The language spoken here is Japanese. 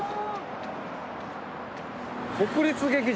国立劇場。